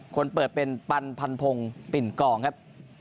เปิดเป็นปันพันพงศ์ปิ่นกองครับ